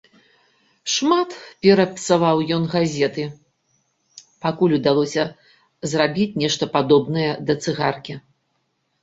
Шмат перапсаваў ён газеты, пакуль удалося зрабіць нешта падобнае да цыгаркі.